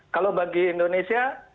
kalau bagi indonesia